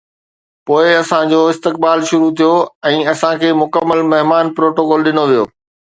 پوءِ اسان جو استقبال شروع ٿيو ۽ اسان کي مڪمل مهمان پروٽوڪول ڏنو ويو.